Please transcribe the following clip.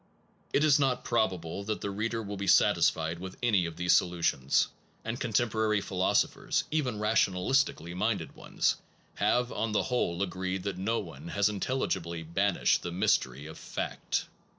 It is not probable that the reader will be satisfied with any of these solutions, and con temporary philosophers, even rationalistically minded ones, have on the whole agreed that no one has intelligibly banished the mystery of fact.